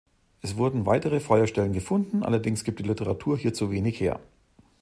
Es wurden weitere Feuerstellen gefunden, allerdings gibt die Literatur hierzu zu wenig her.